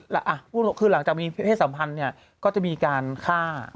แล้วคือหลังจากมีเพศสัมพันธ์เนี่ยก็จะมีการฆ่า